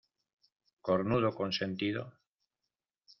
cornudo Consentido.